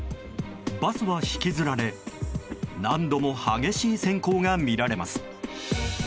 バスは引きずられ何度も激しい閃光が見られます。